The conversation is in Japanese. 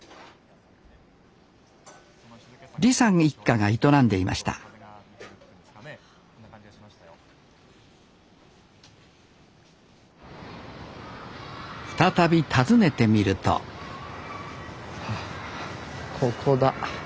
李さん一家が営んでいました再び訪ねてみるとここだ。